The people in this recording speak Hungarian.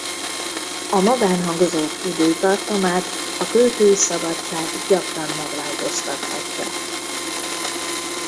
A magánhangzók időtartamát a költői szabadság gyakran megváltoztathatja.